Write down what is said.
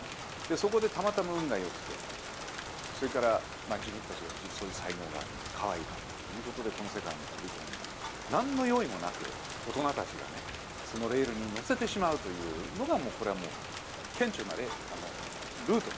そこでたまたま運がよくて自分たちがそういう才能があるかわいかったということでこの世界に飛び込んで何の用意もなく大人たちがねそのレールに乗せてしまうというのがこれはもう顕著なルートなんですね。